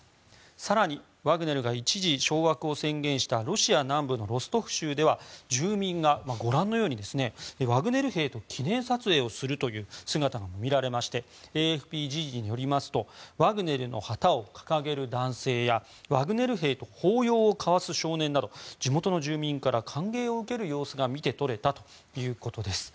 更に、ワグネルが一時掌握を宣言したロシア南部のロストフ州では住民がご覧のようにワグネル兵と記念撮影をする姿も見られましてＡＦＰ＝時事によりますとワグネルの旗を掲げる男性やワグネル兵と抱擁を交わす少年など地元住民から歓迎を受ける様子が見て取れたということです。